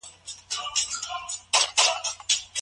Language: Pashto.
ساینس پوهنځۍ په خپلواکه توګه نه اداره کیږي.